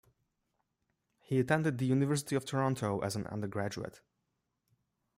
He attended the University of Toronto as an undergraduate.